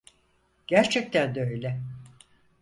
Gerçekten de öyle.